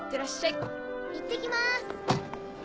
いってきます。